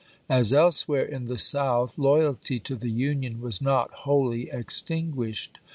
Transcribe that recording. As elsewhere in the South, loyalty to the Union was not wholly ex tinguished.